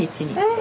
え